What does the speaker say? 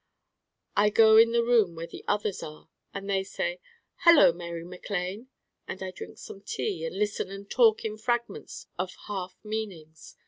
I go in the room where the others are and they say, 'Hello Mary Mac Lane,' and I drink some tea and listen and talk in fragments of half meanings.